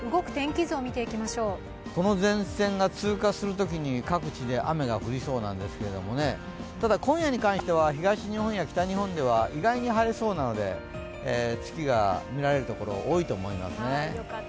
この前線が通過するときに各地で雨が降りそうなんですけど、今夜に関しては東日本や北日本では意外に晴れそうなので月が見られる所、多いと思いますね